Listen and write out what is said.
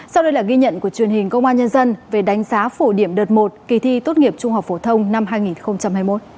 sau đây là ghi nhận của truyền hình công an nhân dân về đánh giá phổ điểm đợt một kỳ thi tốt nghiệp trung học phổ thông năm hai nghìn hai mươi một